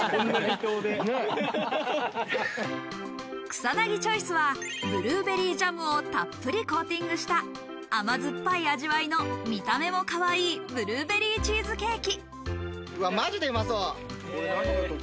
草薙チョイスは、ブルーベリージャムをたっぷりコーティングした甘酸っぱい味わいの、見た目もかわいいブルーベリーチーズケーキ。